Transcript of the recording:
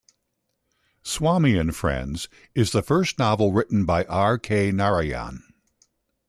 "Swami and Friends" is the first novel written by R. K. Narayan.